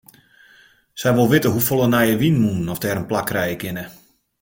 Sy wol witte hoefolle nije wynmûnen oft dêr in plak krije kinne.